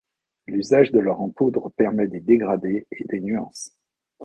L'usage de l'or en poudre permet des dégradés et des nuances.